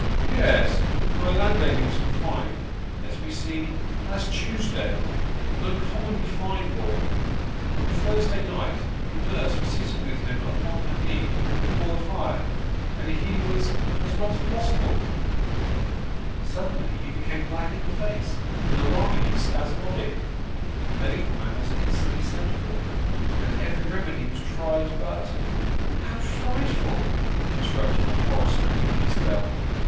" Yes ; my landlady was confined let me see last Tuesday : an uncommonly fine boy. On the Thursday night the nurse was sitting with him upon her knee before the fire, and he was as well as possible. Suddenly he became black in the face, and alarmingly spasmodic. The medical man was instantly sent for, and every remedy was tried, but " How frightful !" interrupted the horror stricken Kitterbell.